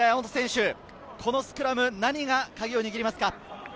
このスクラム、何がカギを握りますか？